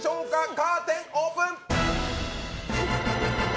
カーテン、オープン！